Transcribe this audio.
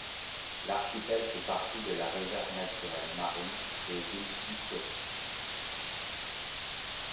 L'archipel fait partie de la réserve naturelle marine des îles Cyclopes.